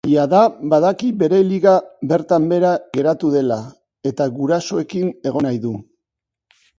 Jada badaki bere liga bertan behera geratu dela eta gurasoekin egon nahi du.